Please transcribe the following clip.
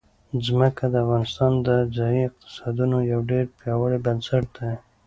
ځمکه د افغانستان د ځایي اقتصادونو یو ډېر پیاوړی بنسټ دی.